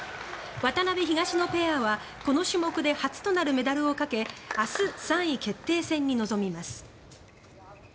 渡辺・東野ペアはこの種目で初となるメダルをかけ明日、３位決定戦に臨みます。